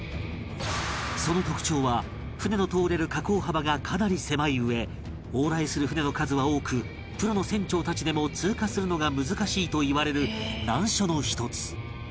その特徴は船の通れる可航幅がかなり狭いうえ往来する船の数は多くプロの船長たちでも通過するのが難しいといわれる難所の１つ